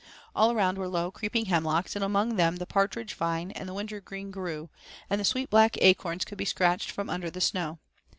All around were low, creeping hemlocks, and among them the partridge vine and the wintergreen grew, and the sweet black acorns could be scratched from under the snow.